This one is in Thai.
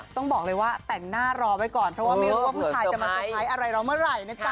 ต้องบอกเลยว่าแต่งหน้ารอไว้ก่อนเพราะว่าไม่รู้ว่าผู้ชายจะมาเตอร์ไพรส์อะไรเราเมื่อไหร่นะจ๊